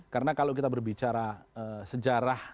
karena kalau kita berbicara sejarah